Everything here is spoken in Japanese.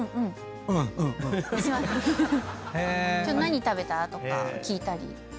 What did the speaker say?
今日何食べた？とか聞いたり。